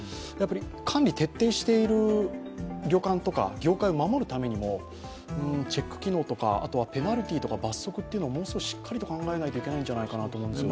管理徹底している旅館とか業界を守るためにもチェック機能とかペナルティーとか罰則をもう少し考えないといけないと思うんですよね。